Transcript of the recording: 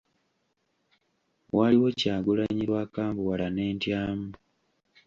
Waliwo Kyagulanyi lw’akambuwala ne ntyamu.